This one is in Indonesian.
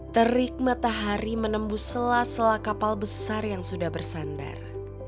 terik matahari menembus sela sela kapal besar yang sudah bersandar